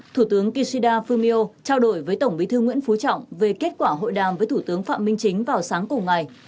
thủ tướng kishida fumio trao đổi với tổng bí thư nguyễn phú trọng về kết quả hội đàm với thủ tướng phạm minh chính vào sáng cùng ngày